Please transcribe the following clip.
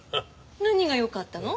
何がよかったの？